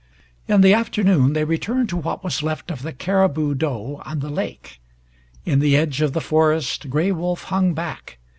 In the afternoon they returned to what was left of the caribou doe on the lake. In the edge of the forest Gray Wolf hung back.